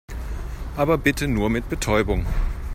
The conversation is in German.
Aber bitte nur mit Betäubung.